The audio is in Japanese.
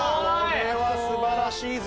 これは素晴らしいぞ。